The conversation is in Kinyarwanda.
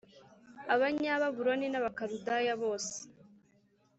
Abanyababuloni n Abakaludaya bose